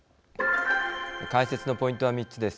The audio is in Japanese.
解説のポイントは３つです。